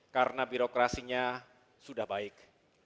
karena birokrasinya sudah baik